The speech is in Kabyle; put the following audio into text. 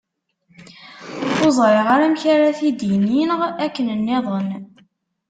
Ur ẓriɣ amek ara t-id-ininɣ akken nniḍen.